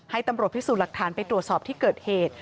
ให้ตำรวจพิสูจน์หลักฐานไปตรวจสอบที่เกิดเหตุ